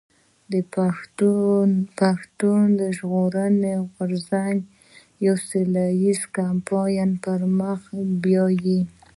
پښتون ژغورني غورځنګ يو سوله ايز کمپاين پر مخ بيايي.